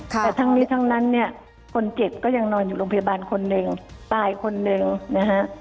แต่ทั้งนี้ทั้งนั้นเนี่ยคนเจ็บก็ยังนอนอยู่โรงพยาบาลคนหนึ่งตายคนหนึ่งนะฮะ